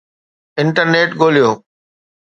internet ڳوليو